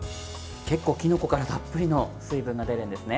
結構、きのこからたっぷりの水分が出るんですね。